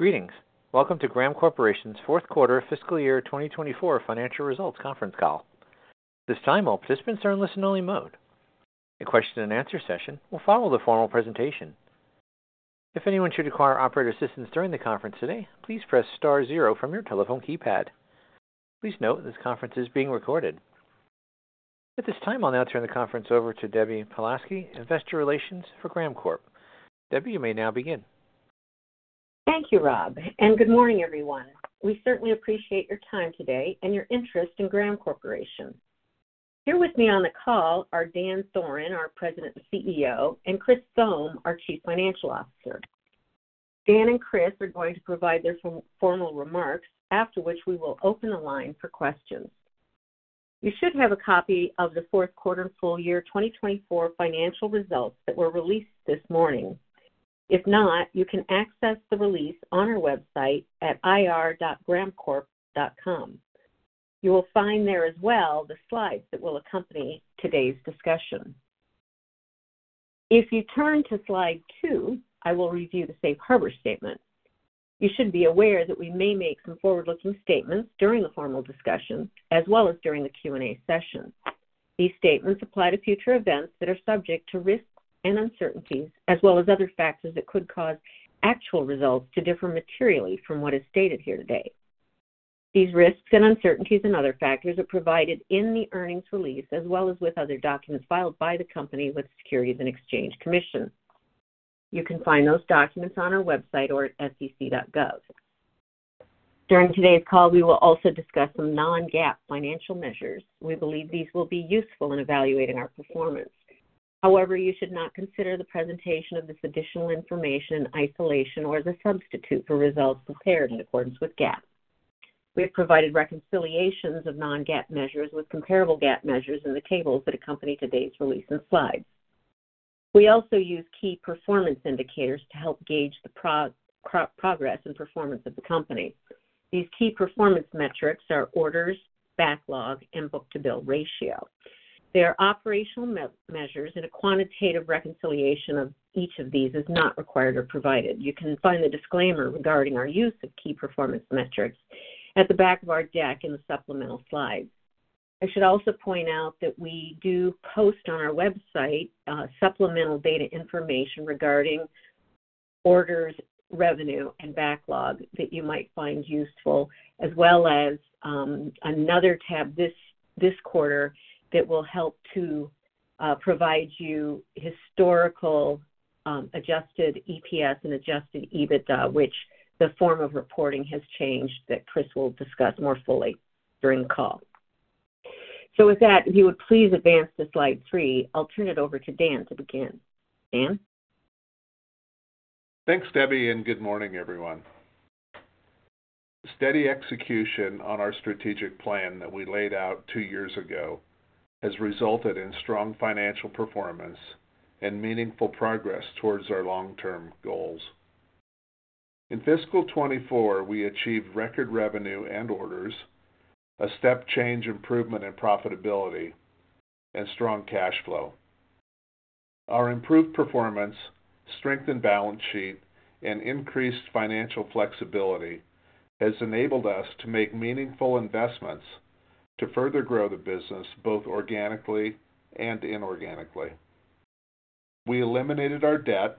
Greetings. Welcome to Graham Corporation's Q4 Fiscal Year 2024 Financial Results Conference Call. This time, all participants are in listen-only mode. A question and answer session will follow the formal presentation. If anyone should require operator assistance during the conference today, please press star zero from your telephone keypad. Please note, this conference is being recorded. At this time, I'll now turn the conference over to Debbie Pawlowski, Investor Relations for Graham Corp. Debbie, you may now begin. Thank you, Rob, and good morning, everyone. We certainly appreciate your time today and your interest in Graham Corporation. Here with me on the call are Dan Thoren, our President and CEO, and Chris Thome, our Chief Financial Officer. Dan and Chris are going to provide their formal remarks, after which we will open the line for questions. You should have a copy of the Q4 full year 2024 financial results that were released this morning. If not, you can access the release on our website at ir.grahamcorp.com. You will find there as well, the slides that will accompany today's discussion. If you turn to slide two, I will review the safe harbor statement. You should be aware that we may make some forward-looking statements during the formal discussion as well as during the Q&A session. These statements apply to future events that are subject to risks and uncertainties, as well as other factors that could cause actual results to differ materially from what is stated here today. These risks and uncertainties and other factors are provided in the earnings release, as well as with other documents filed by the company with the Securities and Exchange Commission. You can find those documents on our website or at sec.gov. During today's call, we will also discuss some non-GAAP financial measures. We believe these will be useful in evaluating our performance. However, you should not consider the presentation of this additional information in isolation or as a substitute for results prepared in accordance with GAAP. We have provided reconciliations of non-GAAP measures with comparable GAAP measures in the tables that accompany today's release and slides. We also use key performance indicators to help gauge the progress and performance of the company. These key performance metrics are orders, backlog, and book-to-bill ratio. They are operational measures, and a quantitative reconciliation of each of these is not required or provided. You can find the disclaimer regarding our use of key performance metrics at the back of our deck in the supplemental slides. I should also point out that we do post on our website supplemental data information regarding orders, revenue, and backlog that you might find useful, as well as another tab this quarter that will help to provide you historical adjusted EPS and adjusted EBITDA, which the form of reporting has changed, that Chris will discuss more fully during the call. So with that, if you would please advance to Slide three. I'll turn it over to Dan to begin. Dan? Thanks, Debbie, and good morning, everyone. Steady execution on our strategic plan that we laid out two years ago has resulted in strong financial performance and meaningful progress towards our long-term goals. In fiscal 2024, we achieved record revenue and orders, a step change improvement in profitability and strong cash flow. Our improved performance, strengthened balance sheet, and increased financial flexibility has enabled us to make meaningful investments to further grow the business, both organically and inorganically. We eliminated our debt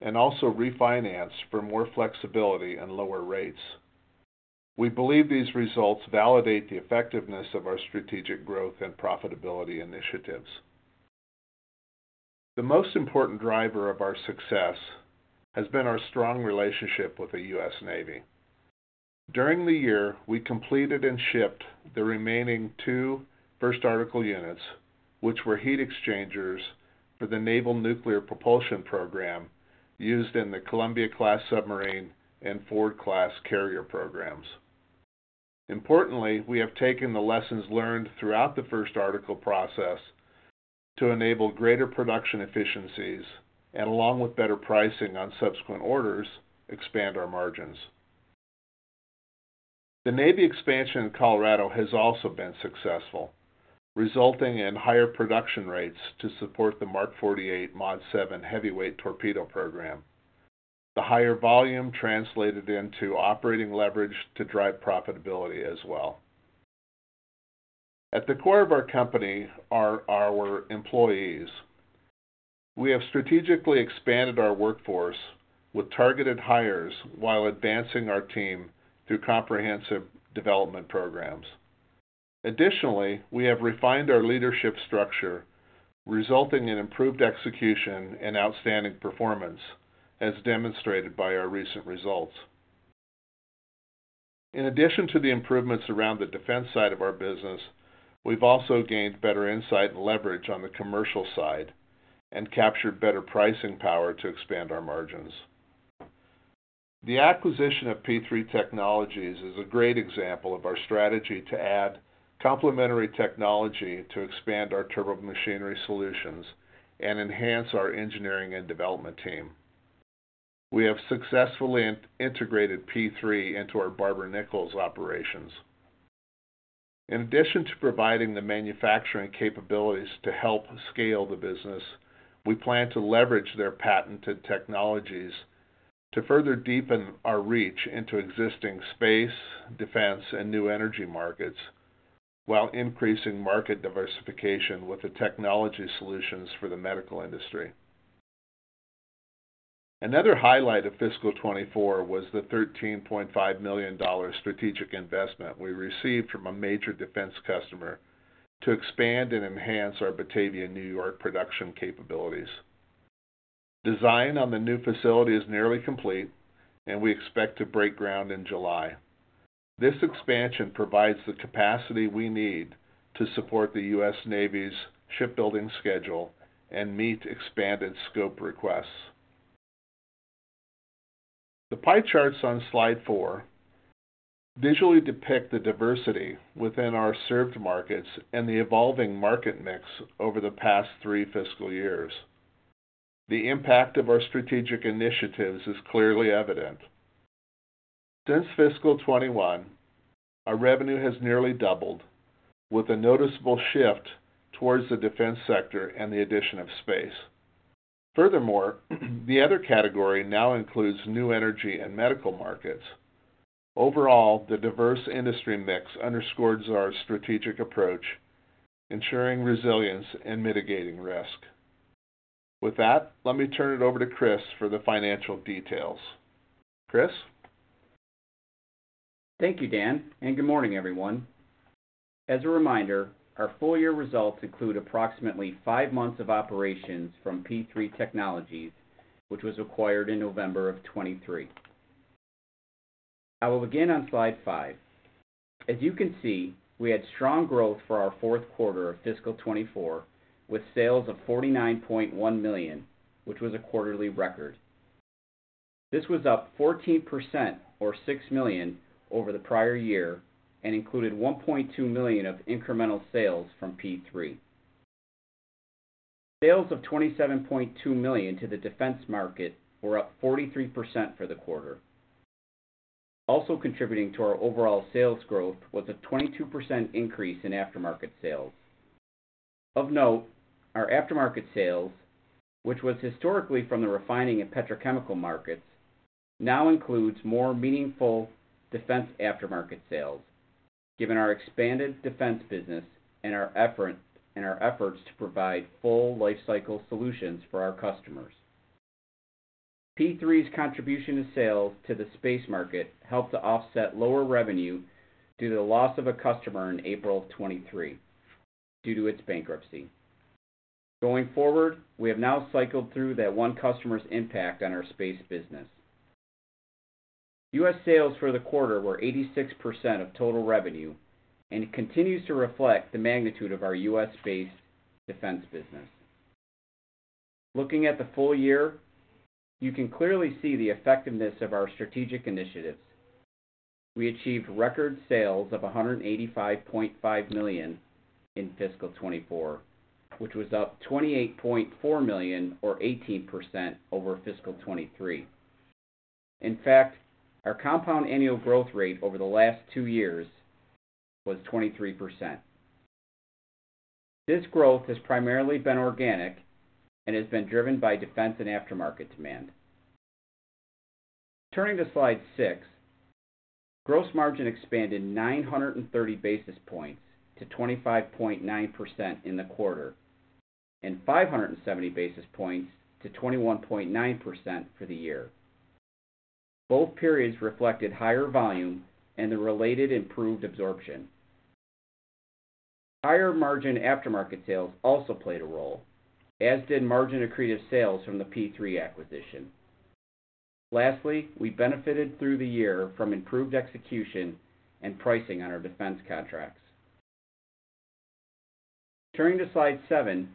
and also refinanced for more flexibility and lower rates. We believe these results validate the effectiveness of our strategic growth and profitability initiatives. The most important driver of our success has been our strong relationship with the U.S. Navy. During the year, we completed and shipped the remaining two first article units, which were heat exchangers for the Naval Nuclear Propulsion Program used in the Columbia-class submarine and Ford-class carrier programs. Importantly, we have taken the lessons learned throughout the first article process to enable greater production efficiencies and, along with better pricing on subsequent orders, expand our margins. The Navy expansion in Colorado has also been successful, resulting in higher production rates to support the Mark 48 Mod 7 heavyweight torpedo program. The higher volume translated into operating leverage to drive profitability as well. At the core of our company are our employees. We have strategically expanded our workforce with targeted hires while advancing our team through comprehensive development programs. Additionally, we have refined our leadership structure, resulting in improved execution and outstanding performance, as demonstrated by our recent results. In addition to the improvements around the defense side of our business, we've also gained better insight and leverage on the commercial side and captured better pricing power to expand our margins. The acquisition of P3 Technologies is a great example of our strategy to add complementary technology to expand our turbomachinery solutions and enhance our engineering and development team. We have successfully integrated P3 into our Barber-Nichols operations. In addition to providing the manufacturing capabilities to help scale the business, we plan to leverage their patented technologies to further deepen our reach into existing space, defense, and new energy markets, while increasing market diversification with the technology solutions for the medical industry. Another highlight of fiscal 2024 was the $13.5 million strategic investment we received from a major defense customer to expand and enhance our Batavia, New York, production capabilities. Design on the new facility is nearly complete, and we expect to break ground in July. This expansion provides the capacity we need to support the U.S. Navy's shipbuilding schedule and meet expanded scope requests. The pie charts on slide four visually depict the diversity within our served markets and the evolving market mix over the past three fiscal years. The impact of our strategic initiatives is clearly evident. Since fiscal 2021, our revenue has nearly doubled, with a noticeable shift towards the defense sector and the addition of space. Furthermore, the other category now includes new energy and medical markets. Overall, the diverse industry mix underscores our strategic approach, ensuring resilience and mitigating risk. With that, let me turn it over to Chris for the financial details. Chris? Thank you, Dan, and good morning, everyone. As a reminder, our full year results include approximately five months of operations from P3 Technologies, which was acquired in November 2023. I will begin on slide five. As you can see, we had strong growth for our Q4 of fiscal 2024, with sales of $49.1 million, which was a quarterly record. This was up 14%, or $6 million, over the prior year and included $1.2 million of incremental sales from P3. Sales of $27.2 million to the defense market were up 43% for the quarter. Also contributing to our overall sales growth was a 22% increase in aftermarket sales. Of note, our aftermarket sales, which was historically from the refining and petrochemical markets, now includes more meaningful defense aftermarket sales, given our expanded defense business and our efforts to provide full lifecycle solutions for our customers. P3's contribution to sales to the space market helped to offset lower revenue due to the loss of a customer in April 2023, due to its bankruptcy. Going forward, we have now cycled through that one customer's impact on our space business. U.S. sales for the quarter were 86% of total revenue and continues to reflect the magnitude of our U.S.-based defense business. Looking at the full year, you can clearly see the effectiveness of our strategic initiatives. We achieved record sales of $185.5 million in fiscal 2024, which was up $28.4 million, or 18%, over fiscal 2023. In fact, our compound annual growth rate over the last two years was 23%. This growth has primarily been organic and has been driven by defense and aftermarket demand. Turning to slide six, gross margin expanded 930 basis points to 25.9% in the quarter, and 570 basis points to 21.9% for the year. Both periods reflected higher volume and the related improved absorption. Higher margin aftermarket sales also played a role, as did margin accretive sales from the P3 acquisition. Lastly, we benefited through the year from improved execution and pricing on our defense contracts. Turning to slide seven,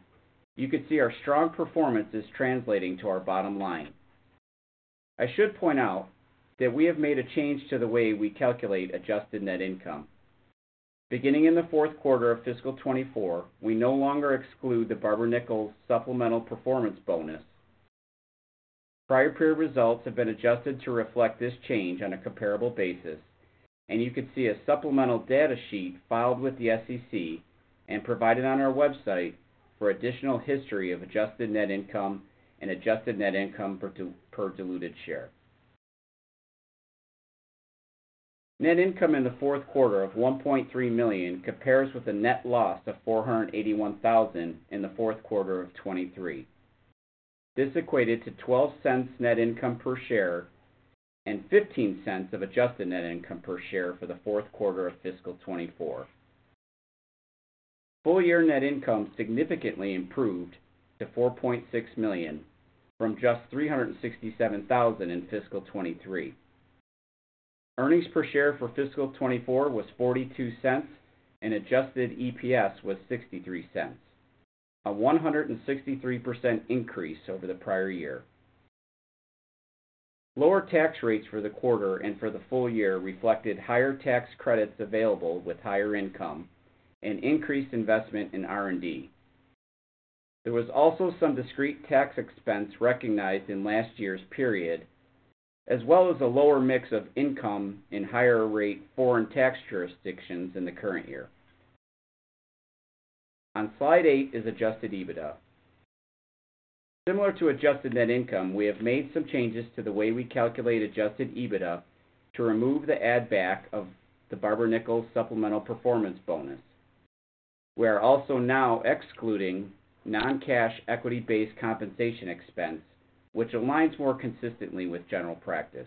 you can see our strong performance is translating to our bottom line. I should point out that we have made a change to the way we calculate adjusted net income. Beginning Q4 of fiscal 2024, we no longer exclude the Barber-Nichols supplemental performance bonus. Prior period results have been adjusted to reflect this change on a comparable basis, and you can see a supplemental data sheet filed with the SEC and provided on our website for additional history of adjusted net income and adjusted net income per diluted share. Net income in Q4 of $1.3 million compares with a net loss of $481,000 in the Q4 of 2023. This equated to $0.12 net income per share and $0.15 of adjusted net income per share for the Q4 of fiscal 2024. Full year net income significantly improved to $4.6 million from just 367,000 in fiscal 2023. Earnings per share for fiscal 2024 was $0.42, and adjusted EPS was $0.63, a 163% increase over the prior year. Lower tax rates for the quarter and for the full year reflected higher tax credits available with higher income and increased investment in R&D. There was also some discrete tax expense recognized in last year's period, as well as a lower mix of income in higher rate foreign tax jurisdictions in the current year. On slide eight is adjusted EBITDA. Similar to adjusted net income, we have made some changes to the way we calculate adjusted EBITDA to remove the add back of the Barber-Nichols supplemental performance bonus. We are also now excluding non-cash, equity-based compensation expense, which aligns more consistently with general practice.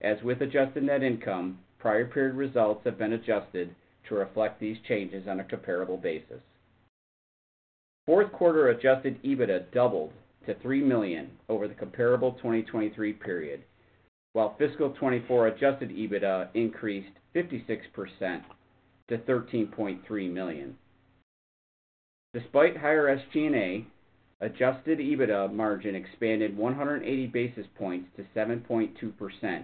As with adjusted net income, prior period results have been adjusted to reflect these changes on a comparable basis. Q4 adjusted EBITDA doubled to $3 million over the comparable 2023 period, while fiscal 2024 adjusted EBITDA increased 56% to $13.3 million. Despite higher SG&A, adjusted EBITDA margin expanded 180 basis points to 7.2%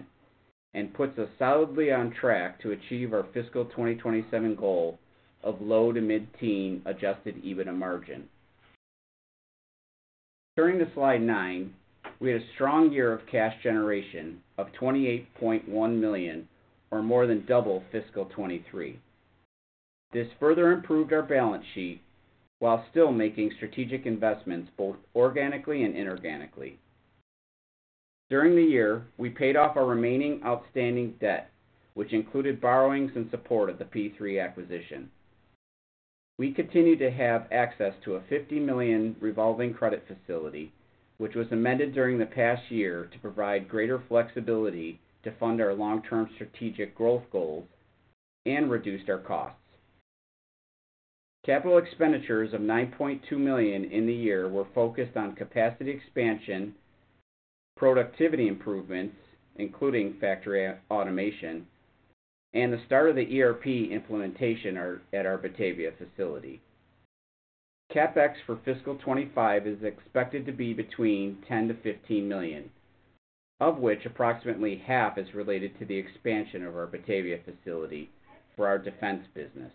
and puts us solidly on track to achieve our fiscal 2027 goal of low to mid-teen adjusted EBITDA margin. Turning to slide nine, we had a strong year of cash generation of $28.1 million, or more than double fiscal 2023. This further improved our balance sheet while still making strategic investments, both organically and inorganically. During the year, we paid off our remaining outstanding debt, which included borrowings in support of the P3 acquisition. We continue to have access to a $50 million revolving credit facility, which was amended during the past year to provide greater flexibility to fund our long-term strategic growth goals and reduce our costs. Capital expenditures of $9.2 million in the year were focused on capacity expansion, productivity improvements, including factory automation, and the start of the ERP implementation at our Batavia facility. CapEx for fiscal 2025 is expected to be between $10-15 million, of which approximately half is related to the expansion of our Batavia facility for our defense business.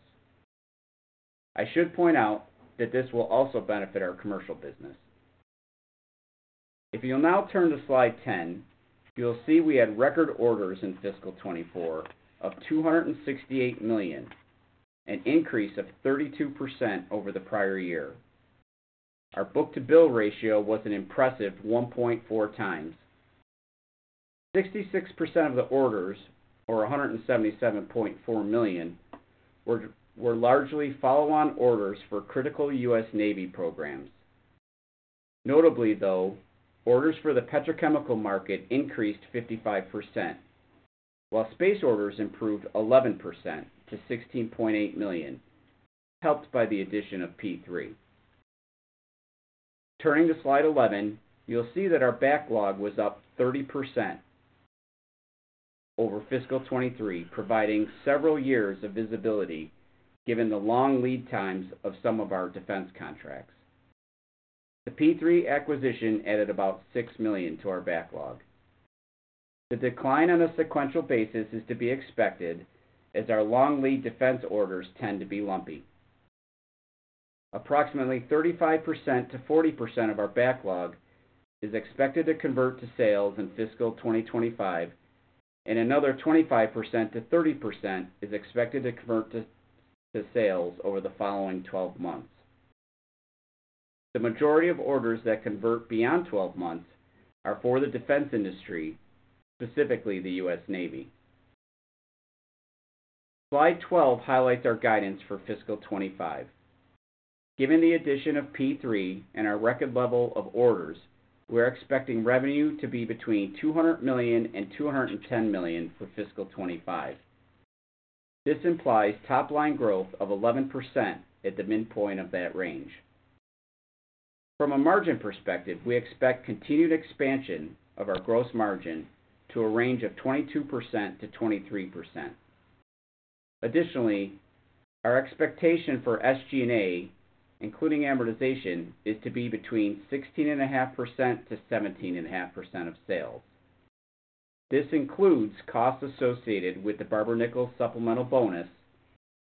I should point out that this will also benefit our commercial business. If you'll now turn to slide 10, you'll see we had record orders in fiscal 2024 of $268 million, an increase of 32% over the prior year. Our book-to-bill ratio was an impressive 1.4x. 66% of the orders, or $177.4 million, were largely follow-on orders for critical U.S. Navy programs. Notably, though, orders for the petrochemical market increased 55%, while space orders improved 11% to $16.8 million, helped by the addition of P3. Turning to Slide 11, you'll see that our backlog was up 30% over fiscal 2023, providing several years of visibility, given the long lead times of some of our defense contracts. The P3 acquisition added about $6 million to our backlog. The decline on a sequential basis is to be expected, as our long lead defense orders tend to be lumpy. Approximately 35%-40% of our backlog is expected to convert to sales in fiscal 2025, and another 25%-30% is expected to convert to sales over the following 12 months. The majority of orders that convert beyond 12 months are for the defense industry, specifically the U.S. Navy. Slide 12 highlights our guidance for fiscal 2025. Given the addition of P3 and our record level of orders, we're expecting revenue to be between $200 million and $210 million for fiscal 2025. This implies top-line growth of 11% at the midpoint of that range. From a margin perspective, we expect continued expansion of our gross margin to a range of 22%-23%. Additionally, our expectation for SG&A, including amortization, is to be between 16.5%-17.5% of sales. This includes costs associated with the Barber-Nichols supplemental bonus,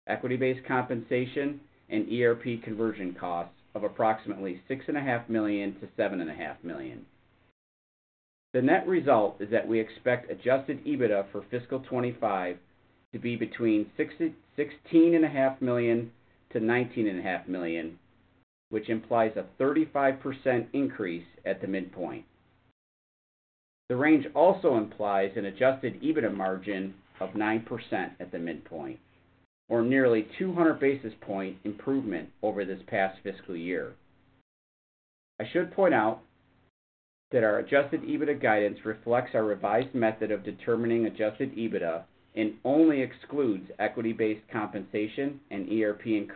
equity-based compensation, and ERP conversion costs of approximately $6.5-7.5 million. The net result is that we expect adjusted EBITDA for fiscal 2025 to be between $16. and $19.5 million, which implies a 35% increase at the midpoint. The range also implies an adjusted EBITDA margin of 9% at the midpoint, or nearly 200 basis points improvement over this past fiscal year. I should point out that our adjusted EBITDA guidance reflects our revised method of determining adjusted EBITDA and only excludes equity-based compensation and ERP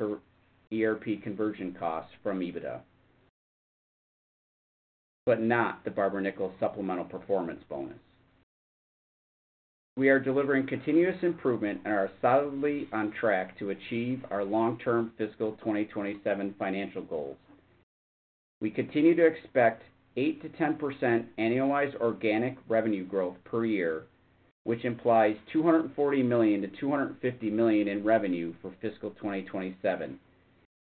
conversion costs from EBITDA, but not the Barber-Nichols supplemental performance bonus. We are delivering continuous improvement and are solidly on track to achieve our long-term fiscal 2027 financial goals. We continue to expect 8%-10% annualized organic revenue growth per year, which implies $240 - 250 million in revenue for fiscal 2027,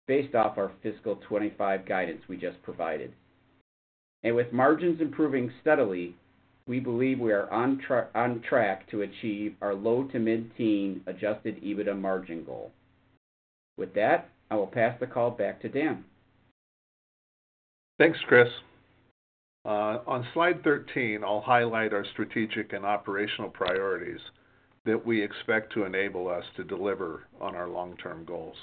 based off our fiscal 2025 guidance we just provided. And with margins improving steadily, we believe we are on track to achieve our low to mid-teen adjusted EBITDA margin goal. With that, I will pass the call back to Dan. Thanks, Chris. On slide 13, I'll highlight our strategic and operational priorities that we expect to enable us to deliver on our long-term goals.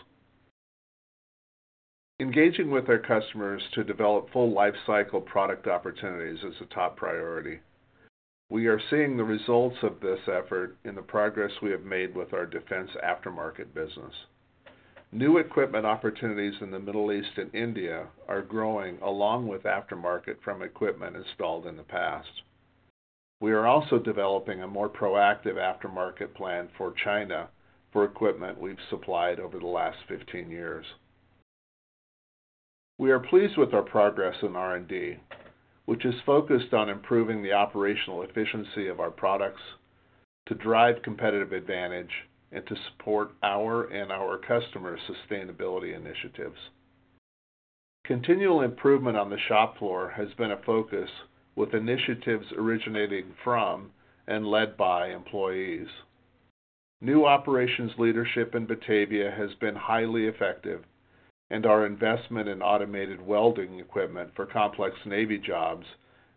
Engaging with our customers to develop full lifecycle product opportunities is a top priority. We are seeing the results of this effort in the progress we have made with our defense aftermarket business. New equipment opportunities in the Middle East and India are growing, along with aftermarket from equipment installed in the past. We are also developing a more proactive aftermarket plan for China, for equipment we've supplied over the last 15 years. We are pleased with our progress in R&D, which is focused on improving the operational efficiency of our products, to drive competitive advantage, and to support our and our customers' sustainability initiatives. Continual improvement on the shop floor has been a focus, with initiatives originating from and led by employees. New operations leadership in Batavia has been highly effective, and our investment in automated welding equipment for complex Navy jobs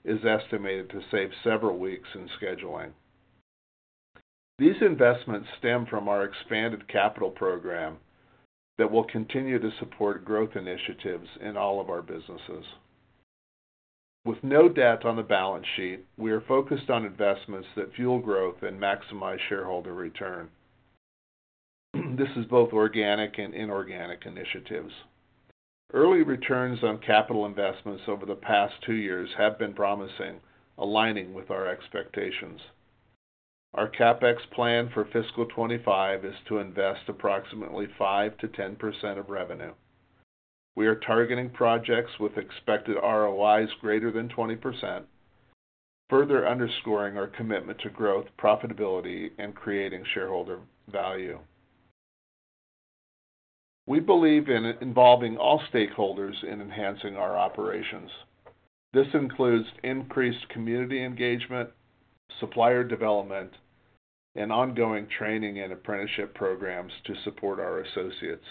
is estimated to save several weeks in scheduling. These investments stem from our expanded capital program that will continue to support growth initiatives in all of our businesses. With no debt on the balance sheet, we are focused on investments that fuel growth and maximize shareholder return. This is both organic and inorganic initiatives. Early returns on capital investments over the past two years have been promising, aligning with our expectations. Our CapEx plan for fiscal 2025 is to invest approximately 5%-10% of revenue. We are targeting projects with expected ROIs greater than 20%, further underscoring our commitment to growth, profitability, and creating shareholder value. We believe in involving all stakeholders in enhancing our operations. This includes increased community engagement, supplier development, and ongoing training and apprenticeship programs to support our associates.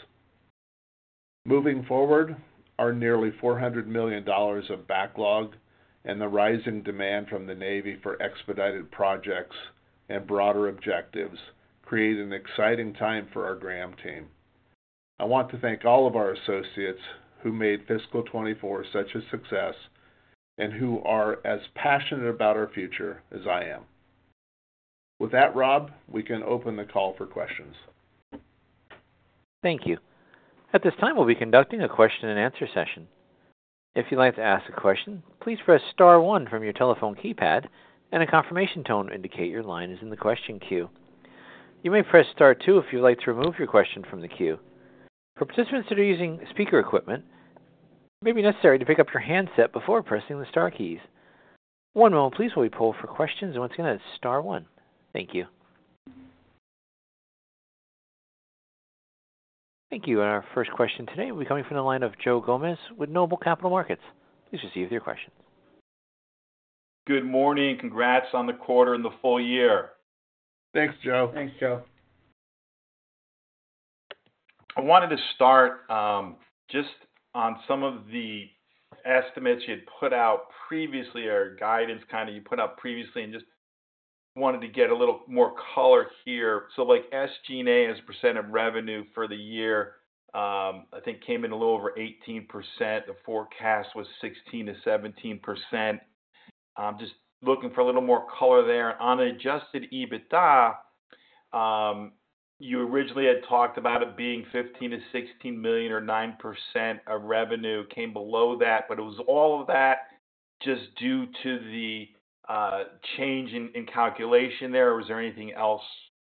Moving forward, our nearly $400 million of backlog and the rising demand from the Navy for expedited projects and broader objectives create an exciting time for our Graham team. I want to thank all of our associates who made fiscal 2024 such a success and who are as passionate about our future as I am. With that, Rob, we can open the call for questions. Thank you. At this time, we'll be conducting a question-and-answer session. If you'd like to ask a question, please press star one from your telephone keypad, and a confirmation tone indicate your line is in the question queue. You may press star two if you'd like to remove your question from the queue. For participants that are using speaker equipment, it may be necessary to pick up your handset before pressing the star keys. One moment, please, while we pull for questions. Once again, it's star one. Thank you. Thank you. Our first question today will be coming from the line of Joe Gomes with Noble Capital Markets. Please proceed with your questions. Good morning. Congrats on the quarter and the full year. Thanks, Joe. Thanks, Joe. I wanted to start just on some of the estimates you had put out previously, or guidance, kind of you put out previously, and just wanted to get a little more color here. So like SG&A, as a % of revenue for the year, I think came in a little over 18%. The forecast was 16%-17%. Just looking for a little more color there. On Adjusted EBITDA, you originally had talked about it being $15 -16 million, or 9% of revenue came below that, but it was all of that just due to the change in calculation there, or was there anything else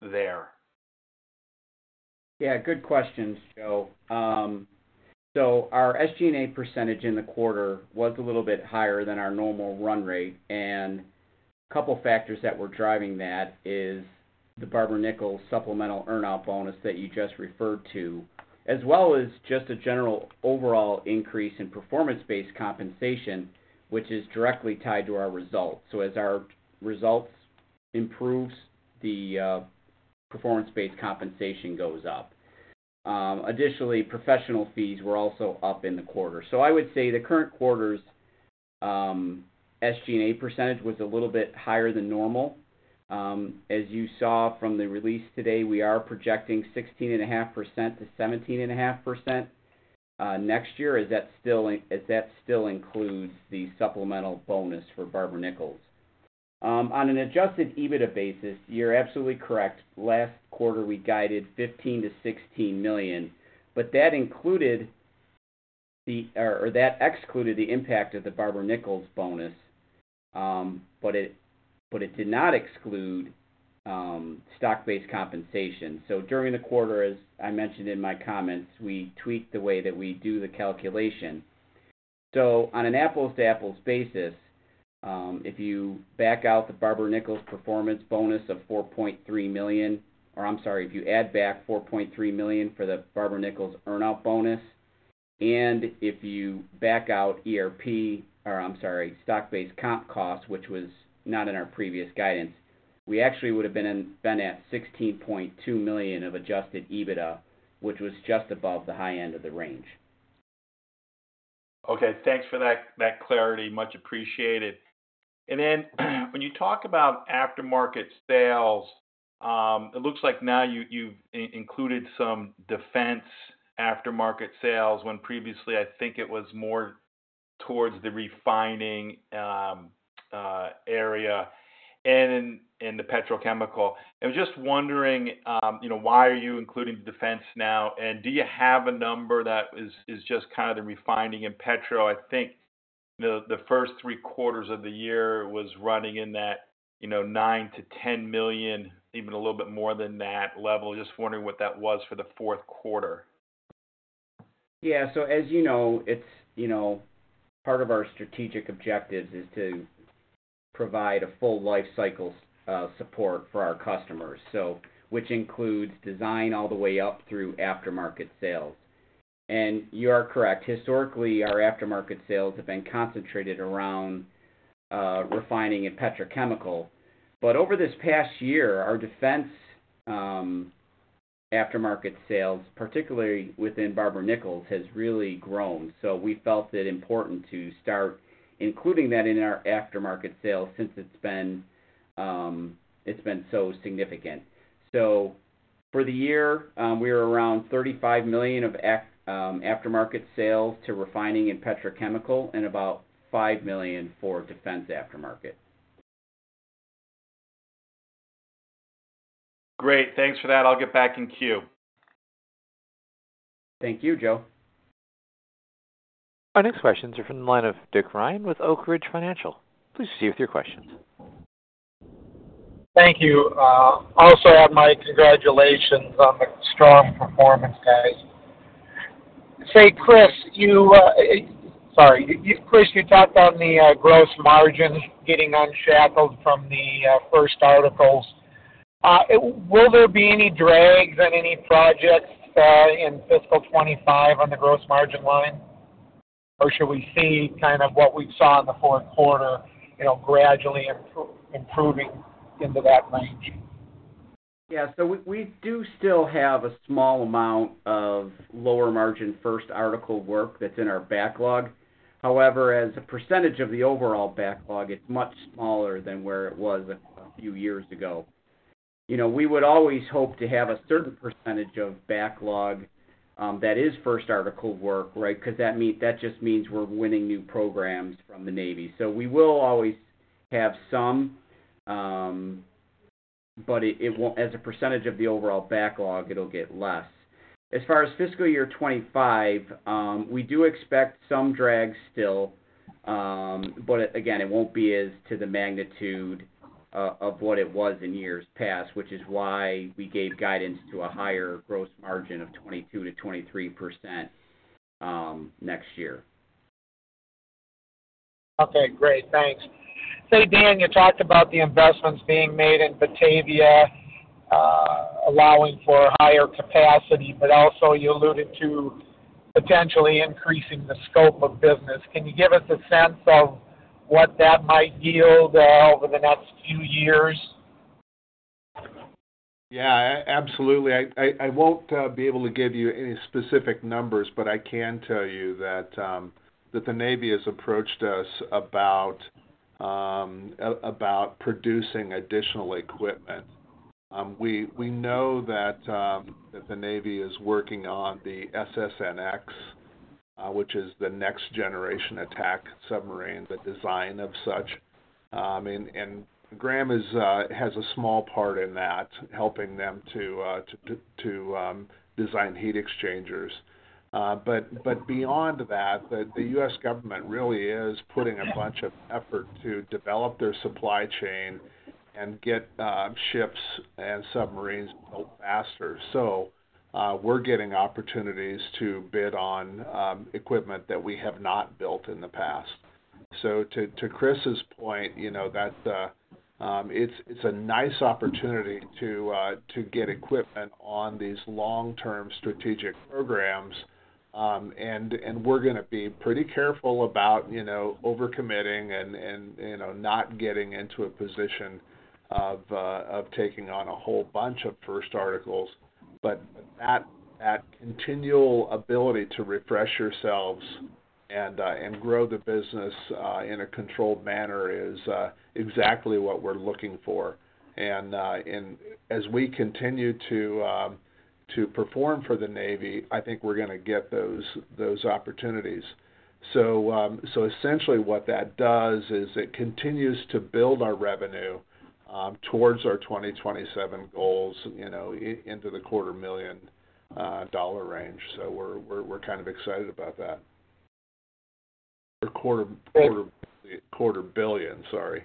there? Yeah, good question, Joe. So our SG&A percentage in the quarter was a little bit higher than our normal run rate, and a couple factors that were driving that is the Barber-Nichols supplemental earn-out bonus that you just referred to, as well as just a general overall increase in performance-based compensation, which is directly tied to our results. So as our results improves, the performance-based compensation goes up. Additionally, professional fees were also up in the quarter. So I would say the current quarter's SG&A percentage was a little bit higher than normal. As you saw from the release today, we are projecting 16.5%-17.5% next year, as that still, as that still includes the supplemental bonus for Barber-Nichols. On an Adjusted EBITDA basis, you're absolutely correct. Last quarter, we guided $15 -16 million, but that excluded the impact of the Barber-Nichols bonus. But it did not exclude stock-based compensation. So during the quarter, as I mentioned in my comments, we tweaked the way that we do the calculation. So on an apples-to-apples basis, if you add back $4.3 million for the Barber-Nichols earn-out bonus, and if you back out stock-based comp costs, which was not in our previous guidance, we actually would have been at $16.2 million of adjusted EBITDA, which was just above the high end of the range. Okay, thanks for that, that clarity. Much appreciated. And then, when you talk about aftermarket sales, it looks like now you've included some defense aftermarket sales, when previously I think it was more towards the refining, area and the petrochemical. I was just wondering, you know, why are you including the defense now? And do you have a number that is just kind of the refining in petro? I think the first three quarters of the year was running in that, you know, $9 -10 million, even a little bit more than that level. Just wondering what that was for Q4. Yeah. So as you know, it's, you know, part of our strategic objectives is to provide a full life cycle, support for our customers. So which includes design all the way up through aftermarket sales. And you are correct. Historically, our aftermarket sales have been concentrated around refining and petrochemical. But over this past year, our defense aftermarket sales, particularly within Barber-Nichols, has really grown. So we felt it important to start including that in our aftermarket sales since it's been so significant. So for the year, we were around $35 million of aftermarket sales to refining and petrochemical, and about $5 million for defense aftermarket. Great, thanks for that. I'll get back in queue. Thank you, Joe. Our next questions are from the line of Dick Ryan with Oak Ridge Financial. Please proceed with your questions. Thank you. Also have my congratulations on the strong performance, guys. Say, Chris, you... Sorry. You, Chris, you talked on the gross margin getting unshackled from the first articles. Will there be any drags on any projects in fiscal 2025 on the gross margin line? Or should we see kind of what we saw in Q4, you know, gradually improving into that range? Yeah, so we do still have a small amount of lower margin first article work that's in our backlog. However, as a percentage of the overall backlog, it's much smaller than where it was a few years ago. You know, we would always hope to have a certain percentage of backlog that is first article work, right? Because that just means we're winning new programs from the Navy. So we will always have some, but it won't, as a percentage of the overall backlog, it'll get less. As far as fiscal year 2025, we do expect some drag still. But again, it won't be as to the magnitude of what it was in years past, which is why we gave guidance to a higher gross margin of 22%-23%, next year. Okay, great. Thanks. Say, Dan, you talked about the investments being made in Batavia, allowing for higher capacity, but also you alluded to potentially increasing the scope of business. Can you give us a sense of what that might yield, over the next few years? Yeah, absolutely. I won't be able to give you any specific numbers, but I can tell you that the Navy has approached us about producing additional equipment. We know that the Navy is working on the SSN(X) which is the next generation attack submarine, the design of such, and Graham has a small part in that, helping them to design heat exchangers. But beyond that, the U.S. government really is putting a bunch of effort to develop their supply chain and get ships and submarines built faster. So, we're getting opportunities to bid on equipment that we have not built in the past. So to Chris's point, you know, that it's a nice opportunity to get equipment on these long-term strategic programs. And we're going to be pretty careful about, you know, over-committing and you know, not getting into a position of taking on a whole bunch of first articles. But that continual ability to refresh yourselves and grow the business in a controlled manner is exactly what we're looking for. And as we continue to perform for the Navy, I think we're going to get those opportunities. So essentially what that does is it continues to build our revenue towards our 2027 goals, you know, into the $250,000 dollar range. So we're kind of excited about that. The $250 million, sorry.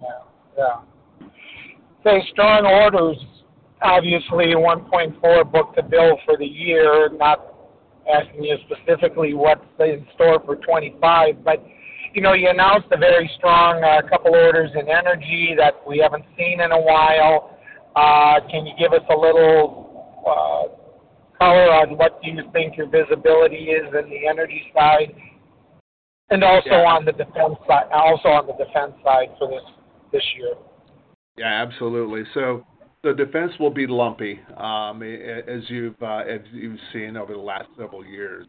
Yeah. Yeah. So strong orders, obviously, 1.4 book-to-bill for the year. Not asking you specifically what's in store for 2025, but, you know, you announced a very strong couple orders in energy that we haven't seen in a while. Can you give us a little color on what you think your visibility is in the energy side, and also on the defense side for this year? Yeah, absolutely. So the defense will be lumpy, as you've seen over the last several years.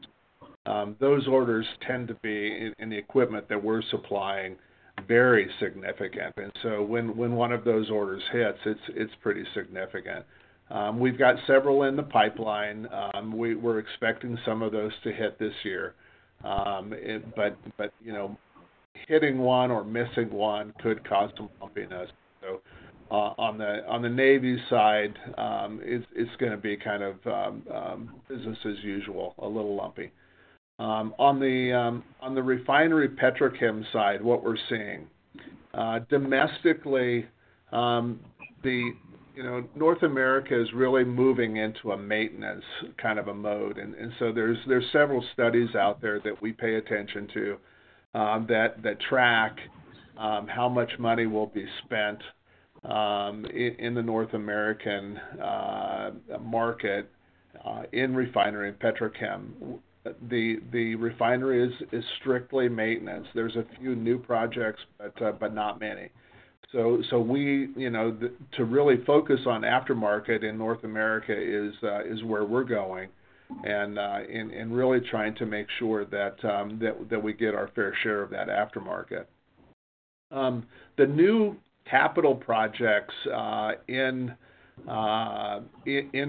Those orders tend to be in the equipment that we're supplying, very significant. And so when one of those orders hits, it's pretty significant. We've got several in the pipeline, we're expecting some of those to hit this year. But, you know, hitting one or missing one could cause some lumpiness. So, on the Navy side, it's gonna be kind of business as usual, a little lumpy. On the refinery petrochem side, what we're seeing, domestically, you know, North America is really moving into a maintenance kind of a mode. So there's several studies out there that we pay attention to, that track how much money will be spent in the North American market in refinery and petrochem. The refinery is strictly maintenance. There's a few new projects, but not many. So we, you know, to really focus on aftermarket in North America is where we're going, and really trying to make sure that we get our fair share of that aftermarket. The new capital projects in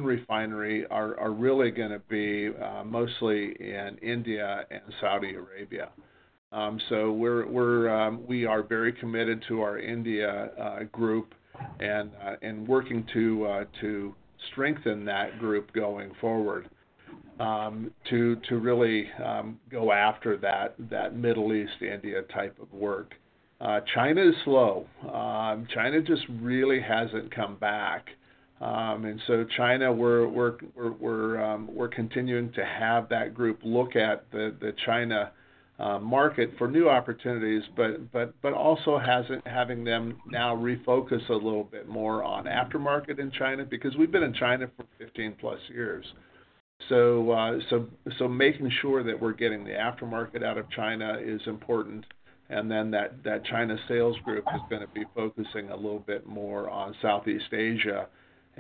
refinery are really gonna be mostly in India and Saudi Arabia. So we are very committed to our India group and working to strengthen that group going forward, to really go after that Middle East, India type of work. China is slow. China just really hasn't come back. And so China, we're continuing to have that group look at the China market for new opportunities, but also having them now refocus a little bit more on aftermarket in China, because we've been in China for 15+ years. So making sure that we're getting the aftermarket out of China is important, and then that China sales group is gonna be focusing a little bit more on Southeast Asia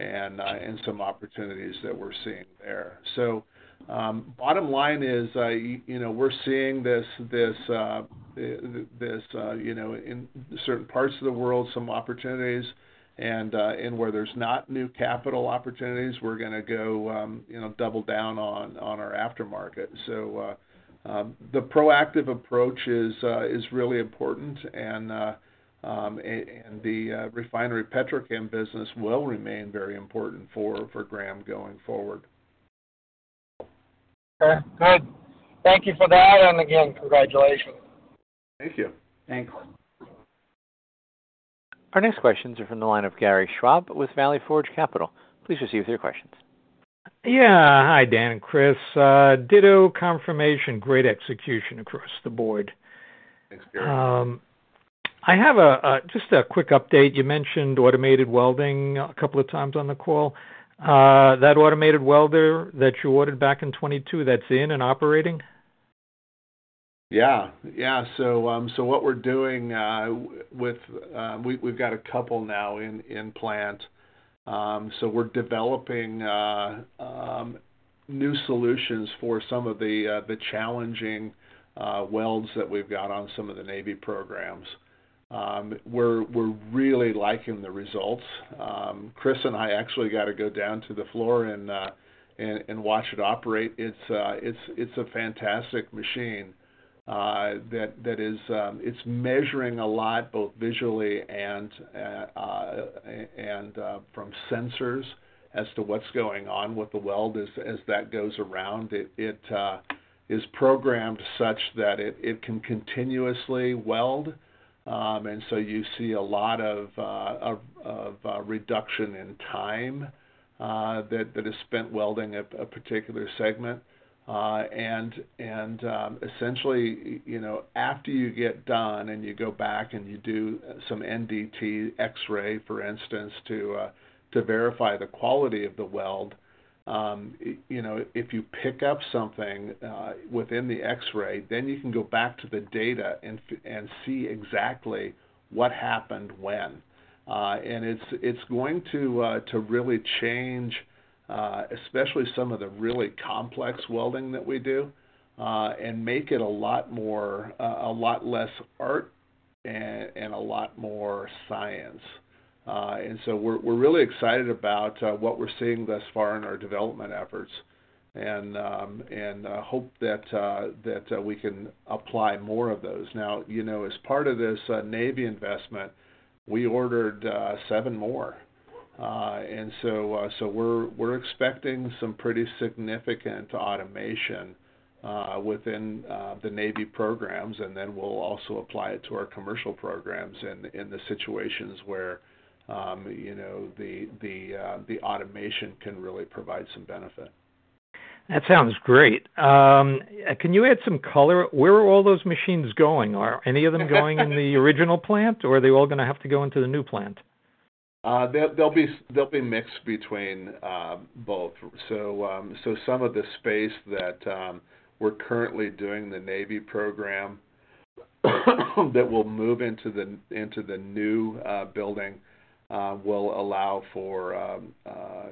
and some opportunities that we're seeing there. So, bottom line is, you know, we're seeing this in certain parts of the world, some opportunities, and where there's not new capital opportunities, we're gonna go, you know, double down on our aftermarket. So, the proactive approach is really important, and the refinery petrochem business will remain very important for Graham going forward. Okay, good. Thank you for that. And again, congratulations. Thank you. Thanks. Our next questions are from the line of Gary Schwab with Valley Forge Capital. Please receive your questions. Yeah. Hi, Dan and Chris. Ditto confirmation, great execution across the board. Thanks, Gary. I have just a quick update. You mentioned automated welding a couple of times on the call. That automated welder that you ordered back in 2022, that's in and operating? Yeah. Yeah. So what we're doing with, we've got a couple now in plant. So we're developing new solutions for some of the challenging welds that we've got on some of the Navy programs. We're really liking the results. Chris and I actually got to go down to the floor and watch it operate. It's a fantastic machine that is measuring a lot, both visually and from sensors as to what's going on with the weld as that goes around. It is programmed such that it can continuously weld, and so you see a lot of reduction in time that is spent welding a particular segment. And essentially, you know, after you get done and you go back and you do some NDT X-ray, for instance, to verify the quality of the weld, you know, if you pick up something within the X-ray, then you can go back to the data and see exactly what happened when. And it's going to really change, especially some of the really complex welding that we do, and make it a lot more, a lot less art and a lot more science. And so we're really excited about what we're seeing thus far in our development efforts... and hope that we can apply more of those. Now, you know, as part of this Navy investment, we ordered seven more. And so we're expecting some pretty significant automation within the Navy programs, and then we'll also apply it to our commercial programs in the situations where, you know, the automation can really provide some benefit. That sounds great. Can you add some color? Where are all those machines going? Are any of them going in the original plant, or are they all gonna have to go into the new plant? They'll be mixed between both. So, some of the space that we're currently doing the Navy program, that will move into the new building, will allow for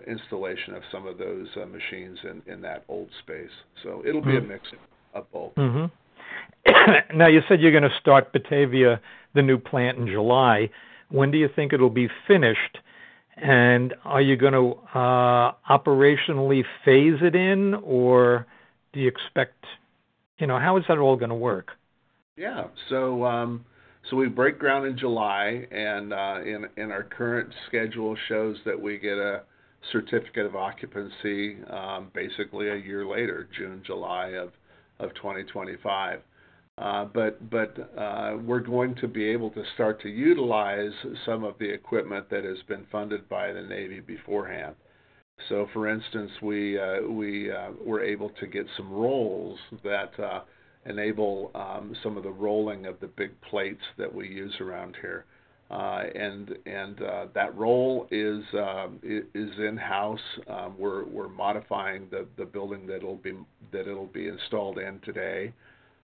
installation of some of those machines in that old space. Mm-hmm. It'll be a mix of both. Mm-hmm. Now, you said you're gonna start Batavia, the new plant, in July. When do you think it'll be finished? And are you gonna, operationally phase it in, or do you expect... You know, how is that all gonna work? Yeah. So, so we break ground in July, and, and our current schedule shows that we get a certificate of occupancy, basically a year later, June, July of 2025. But, we're going to be able to start to utilize some of the equipment that has been funded by the Navy beforehand. So for instance, we were able to get some rolls that enable some of the rolling of the big plates that we use around here. And that roll is in-house. We're modifying the building that it'll be installed in today,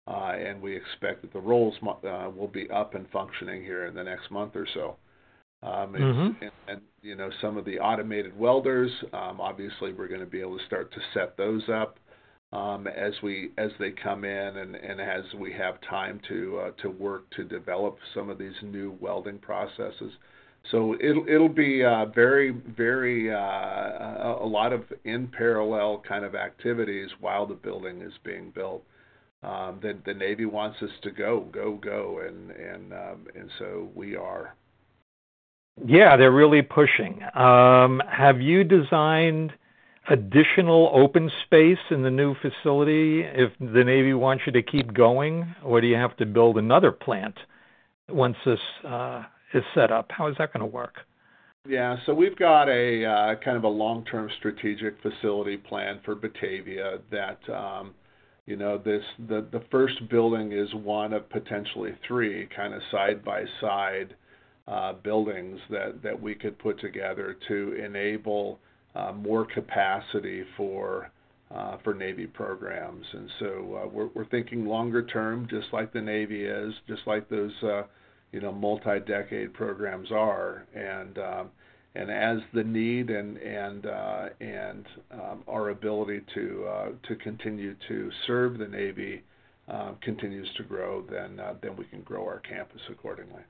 and we expect that the rolls will be up and functioning here in the next month or so. Mm-hmm... and you know, some of the automated welders, obviously, we're gonna be able to start to set those up, as they come in and as we have time to work to develop some of these new welding processes. So it'll be very, very a lot of in parallel kind of activities while the building is being built. The Navy wants us to go, go, go, and so we are. Yeah, they're really pushing. Have you designed additional open space in the new facility if the Navy wants you to keep going, or do you have to build another plant once this is set up? How is that gonna work? Yeah. So we've got a kind of a long-term strategic facility plan for Batavia that, you know, the first building is one of potentially three, kind of, side-by-side buildings that we could put together to enable more capacity for Navy programs. And so, we're thinking longer term, just like the Navy is, just like those, you know, multi-decade programs are. And as the need and our ability to continue to serve the Navy continues to grow, then we can grow our campus accordingly.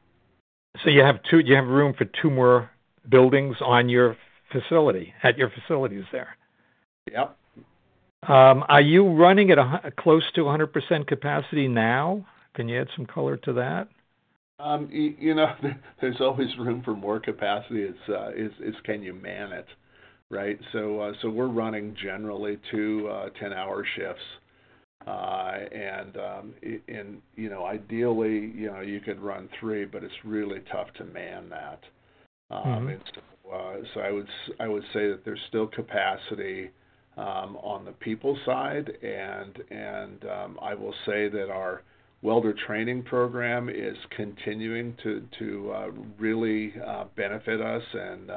So you have two, do you have room for two more buildings on your facility, at your facilities there? Yep. Are you running at close to 100% capacity now? Can you add some color to that? You know, there's always room for more capacity. It's, can you man it, right? So, we're running generally two 10-hour shifts. And, you know, ideally, you know, you could run three, but it's really tough to man that. Mm-hmm. I would say that there's still capacity on the people side, and I will say that our welder training program is continuing to really benefit us. And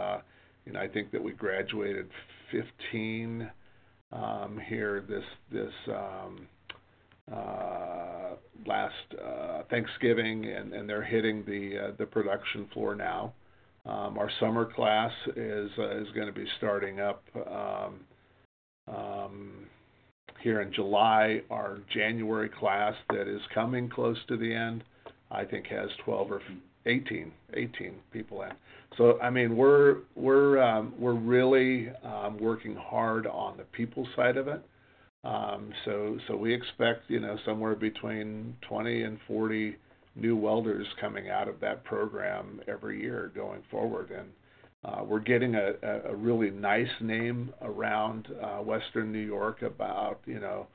I think that we graduated 15 here this last Thanksgiving, and they're hitting the production floor now. Our summer class is gonna be starting up here in July. Our January class that is coming close to the end, I think has 12 or 18, 18 people in. So I mean, we're really working hard on the people side of it. So we expect, you know, somewhere between 20 and 40 new welders coming out of that program every year, going forward. We're getting a really nice name around Western New York about, you know,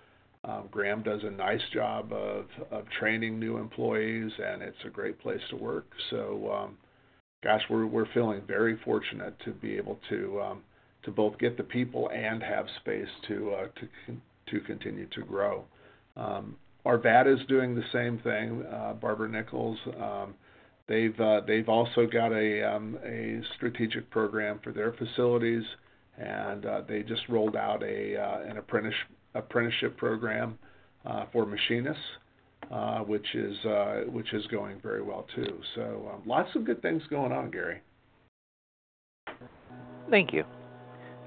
Graham does a nice job of training new employees, and it's a great place to work. So, Gash, we're feeling very fortunate to be able to both get the people and have space to continue to grow. Our Batavia is doing the same thing. Barber-Nichols, they've also got a strategic program for their facilities, and they just rolled out an apprenticeship program for machinists, which is going very well too. So, lots of good things going on, Gary. Thank you.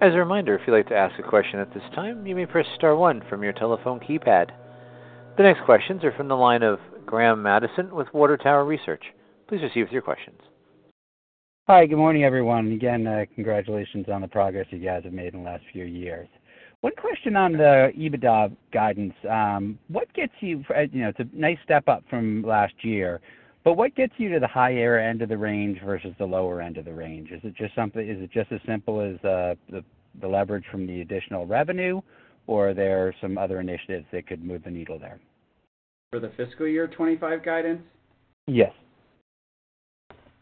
As a reminder, if you'd like to ask a question at this time, you may press star one from your telephone keypad. The next questions are from the line of Graham Mattison with Water Tower Research. Please proceed with your questions. Hi, good morning, everyone. Again, congratulations on the progress you guys have made in the last few years. One question on the EBITDA guidance. What gets you... You know, it's a nice step up from last year, but what gets you to the higher end of the range versus the lower end of the range? Is it just as simple as, the leverage from the additional revenue, or are there some other initiatives that could move the needle there? For the fiscal year 25 guidance? Yes.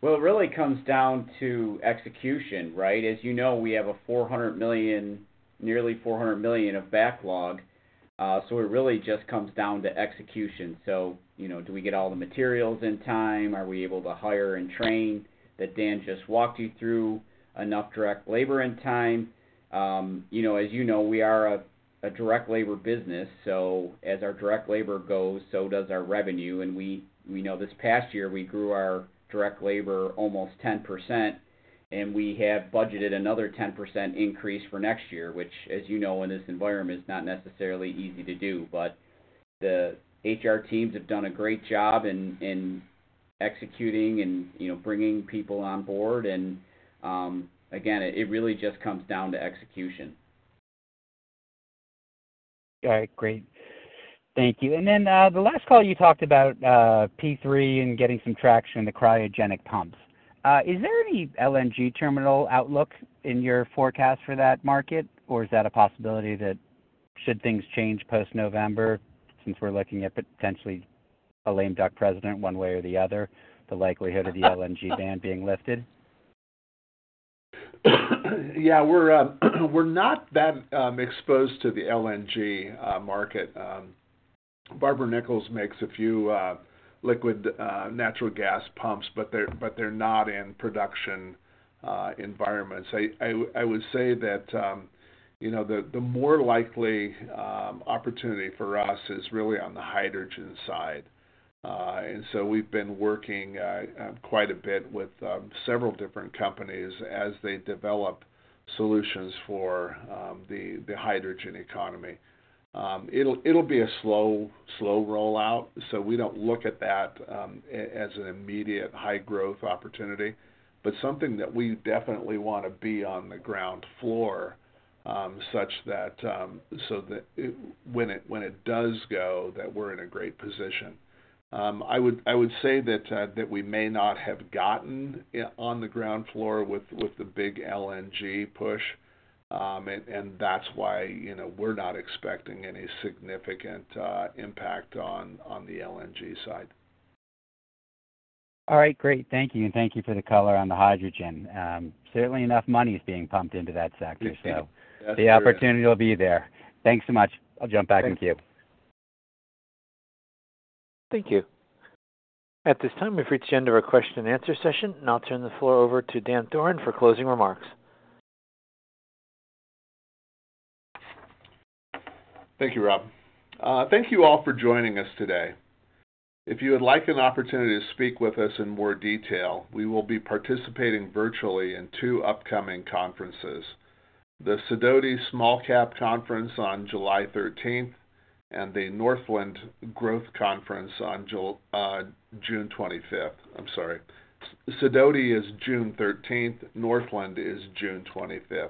Well, it really comes down to execution, right? As you know, we have $400 million, nearly 400 million of backlog. So it really just comes down to execution. So, you know, do we get all the materials in time? Are we able to hire and train, that Dan just walked you through, enough direct labor and time? You know, as you know, we are a direct labor business, so as our direct labor goes, so does our revenue, and we know this past year, we grew our direct labor almost 10%, and we have budgeted another 10% increase for next year, which, as you know, in this environment, is not necessarily easy to do. The HR teams have done a great job in executing and, you know, bringing people on board, and again, it really just comes down to execution. All right, great. Thank you. And then, the last call you talked about, P3 and getting some traction in the cryogenic pumps. Is there any LNG terminal outlook in your forecast for that market? Or is that a possibility that should things change post-November, since we're looking at potentially a lame duck president, one way or the other, the likelihood of the LNG ban being lifted? Yeah, we're, we're not that exposed to the LNG market. Barber-Nichols makes a few liquid natural gas pumps, but they're, but they're not in production environments. I would say that, you know, the more likely opportunity for us is really on the hydrogen side. And so we've been working quite a bit with several different companies as they develop solutions for the hydrogen economy. It'll be a slow rollout, so we don't look at that as an immediate high-growth opportunity, but something that we definitely want to be on the ground floor, such that so that it... When it does go, that we're in a great position. I would say that we may not have gotten on the ground floor with the big LNG push. And that's why, you know, we're not expecting any significant impact on the LNG side. All right, great. Thank you, and thank you for the color on the hydrogen. Certainly enough money is being pumped into that sector, so- Yeah. The opportunity will be there. Thanks so much. I'll jump back in queue. Thank you. Thank you. At this time, we've reached the end of our question and answer session, and I'll turn the floor over to Dan Thoren for closing remarks. Thank you, Rob. Thank you all for joining us today. If you would like an opportunity to speak with us in more detail, we will be participating virtually in two upcoming conferences: the Sidoti Small Cap Conference on July 13, and the Northland Growth Conference on June 25, I'm sorry. Sidoti is June 13, Northland is June 25.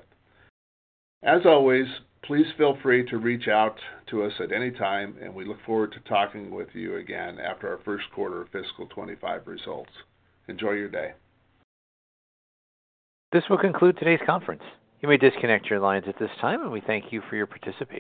As always, please feel free to reach out to us at any time, and we look forward to talking with you again after our Q1 of fiscal 2025 results. Enjoy your day. This will conclude today's conference. You may disconnect your lines at this time, and we thank you for your participation.